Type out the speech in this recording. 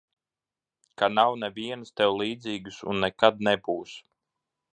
Ka nav nevienas tev līdzīgas un nekad nebūs.